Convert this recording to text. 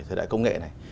thời đại công nghệ này